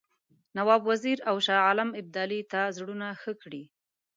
نواب وزیر او شاه عالم ابدالي ته زړونه ښه کړي.